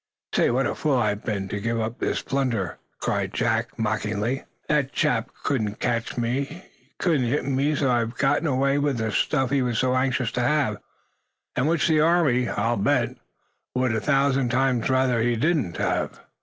"Say, what a fool I'd have been, to give up this plunder!" cried Jack, mockingly. "That chap couldn't catch me; he couldn't hit me. So I've gotten away with the stuff he was so anxious to have and which the Army, I'll bet, would a thousand times rather he didn't have!"